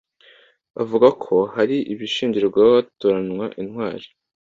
avuga ko hari ibishingirwaho hatoranywa intwari,